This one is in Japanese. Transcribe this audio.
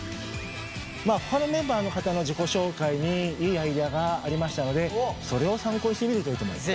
ほかのメンバーの方の自己紹介にいいアイデアがありましたのでそれを参考にしてみるといいと思います。